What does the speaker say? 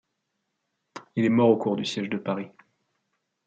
Il est mort au cours du siège de Paris.